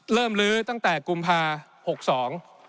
เริ่มลื้อตั้งแต่กุมภาคม๖๒